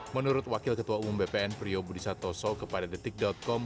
menurut wakil ketua umum bpn prio budi satoso kepada detik com